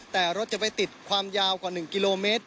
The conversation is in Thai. แต่รถจะไปติดความยาวกว่า๑กิโลเมตร